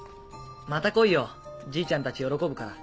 また来いよじいちゃんたち喜ぶから。